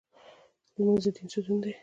لمونځ د دین ستون دی